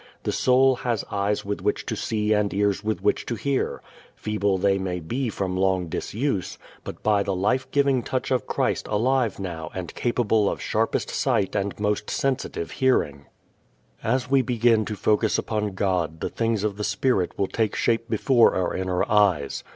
The soul has eyes with which to see and ears with which to hear. Feeble they may be from long disuse, but by the life giving touch of Christ alive now and capable of sharpest sight and most sensitive hearing. As we begin to focus upon God the things of the spirit will take shape before our inner eyes.